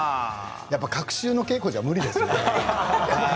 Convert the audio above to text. やっぱり隔週の稽古じゃ無理ですよね。